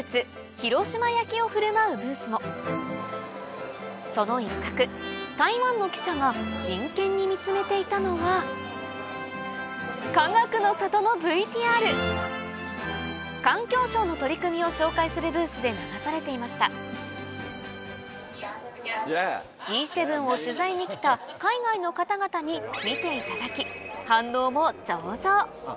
広島焼きを振る舞うブースもその一角台湾の記者が真剣に見つめていたのはかがくの里のＶＴＲ環境省の取り組みを紹介するブースで流されていましたＧ７を取材に来た海外の方々に見ていただき反応も上々！